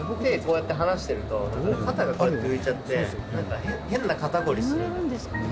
こうやって離してると、肩が浮いちゃって、変な肩凝りするんです。